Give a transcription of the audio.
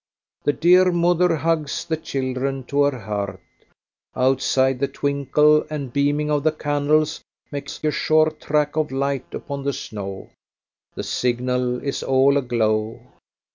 The dear mother hugs the children to her heart; outside the twinkle and beaming of the candles makes a short track of light upon the snow; the signal is all a glow.